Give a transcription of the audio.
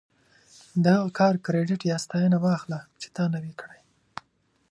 د هغه کار کریډیټ یا ستاینه مه اخله چې تا نه وي کړی.